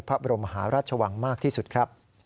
พระบรมหาราชวังมากที่สุดครับ